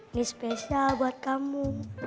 ini spesial buat kamu